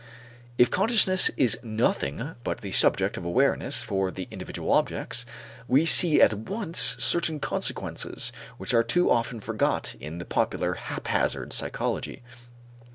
If consciousness is nothing but the subject of awareness for the individual objects, we see at once certain consequences which are too often forgotten in the popular, haphazard psychology.